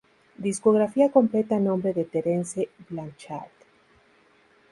Discografía completa a nombre de Terence Blanchard.